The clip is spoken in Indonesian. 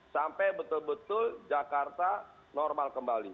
sampai betul betul jakarta normal kembali